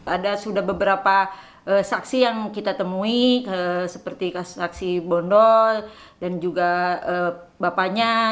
ada sudah beberapa saksi yang kita temui seperti saksi bondol dan juga bapaknya